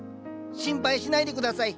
心配しないで下さい。